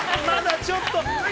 まだちょっと。